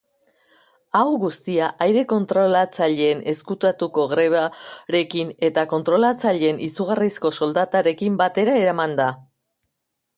Hau guztia aire-kontrolatzaileen ezkutuko grebarekin eta kontrolatzaileen izugarrizko soldatekin batera eman da.